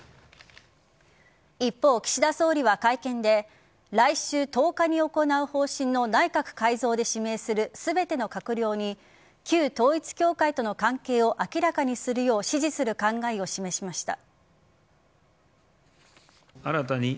一方、岸田総理は会見で来週１０日に行う方針の内閣改造で指名する全ての閣僚に旧統一教会との関係を明らかにするよう指示する考えを示しました。